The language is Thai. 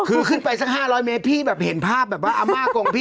คือขึ้นไปสัก๕๐๐เมตรพี่แบบเห็นภาพแบบว่าอาม่ากงพี่